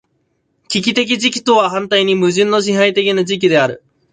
危機的時期とは反対に矛盾の支配的な時期である。